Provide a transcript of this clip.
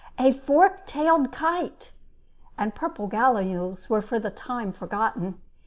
A fork tailed kite! and purple gallinules were for the time forgotten.